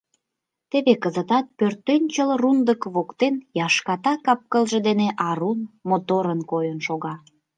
Теве кызытат пӧртӧнчыл рундык воктен яшката кап-кылже дене арун, моторын койын шога.